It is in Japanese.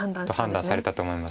判断されたと思います。